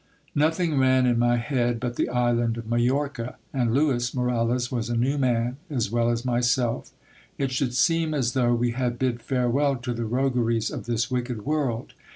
Nothing ran in my head but the island of Majorca ; and Lewis Moralez was a new man as well as myself. It should seem as though we had bid farewell to the rogueries of this wicked world.